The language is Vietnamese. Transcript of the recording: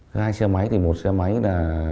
vừa mới tháo biển